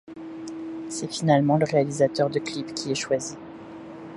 C'est finalement le réalisateur de clips qui est choisi.